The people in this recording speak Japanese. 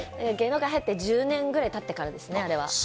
芸能界入って、１０年ぐらいたってからですね、あれは。